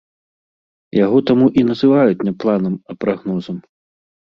Яго таму і называюць не планам, а прагнозам.